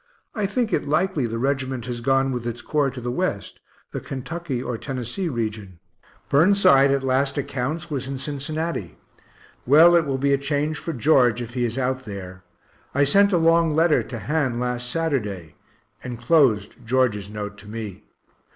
I think it likely the regiment has gone with its corps to the West, the Kentucky or Tennessee region Burnside at last accounts was in Cincinnati. Well, it will be a change for George, if he is out there. I sent a long letter to Han last Saturday enclosed George's note to me.